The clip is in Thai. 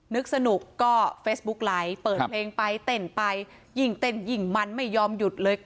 นึกสนุกก็เฟซบุ๊กไลค์เปิดเพลงไปเต้นไปยิ่งเต้นยิ่งมันไม่ยอมหยุดเลย